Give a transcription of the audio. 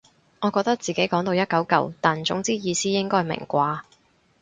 我覺得自己講到一嚿嚿但總之意思應該明啩